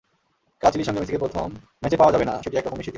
কাল চিলির সঙ্গে মেসিকে প্রথম ম্যাচে পাওয়া যাবে না—সেটি একরকম নিশ্চিতই।